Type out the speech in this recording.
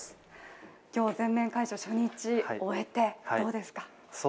今日、全面解除初日、終えてどうですか？